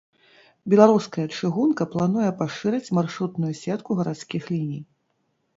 Беларуская чыгунка плануе пашырыць маршрутную сетку гарадскіх ліній.